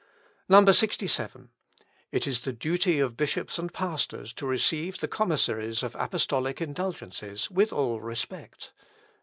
67. "It is the duty of bishops and pastors to receive the commissaries of apostolic indulgences with all respect: 68.